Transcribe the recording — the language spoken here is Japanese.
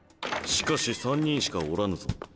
しかし３人しかおらぬぞ。